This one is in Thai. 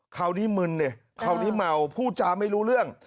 เขานี่มึนเนี่ยเขานี่เมาพูดจะไม่รู้เรื่อง